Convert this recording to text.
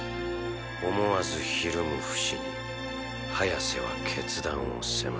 思わずひるむフシにハヤセは決断を迫る。